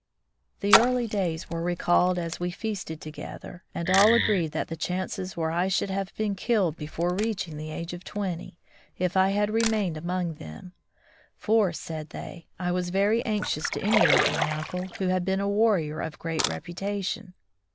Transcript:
*' The early days were recalled as we feasted together, and all agreed that the chances were I should have been killed before reaching the age of twenty, if I had remained among them; for, said they, I was very anxious to emulate my uncle, who had been a warrior of great reputation.